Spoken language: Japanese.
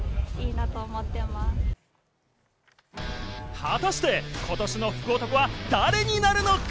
果たして今年の福男は誰になるのか？